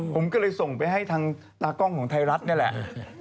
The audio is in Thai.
ผมก็เลยส่งไปให้ทางตากล้องของไทยรัฐนี่แหละ